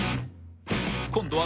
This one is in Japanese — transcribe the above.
［今度は］